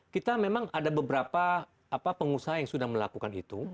kita memang ada beberapa pengusaha yang sudah melakukan itu